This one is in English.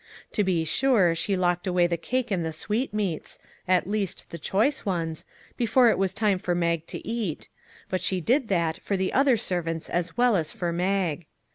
To be sure, she locked away the cake and the sweetmeats at least, the choice ones before it was time for Mag to eat; but she did that for the other servants as well as for Mag.